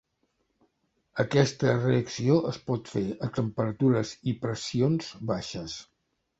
Aquesta reacció es pot fer a temperatures i pressions baixes.